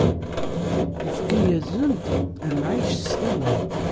Ifka-asen-d amɛic s tawant.